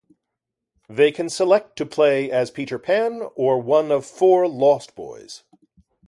They can select to play as Peter Pan or one of four Lost Boys.